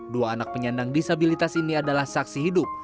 dua anak penyandang disabilitas ini adalah saksi hidup